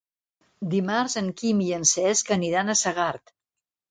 Dimarts en Quim i en Cesc aniran a Segart.